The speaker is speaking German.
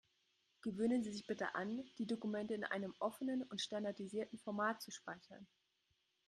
Gewöhnen Sie sich bitte an, die Dokumente in einem offenen und standardisierten Format zu speichern.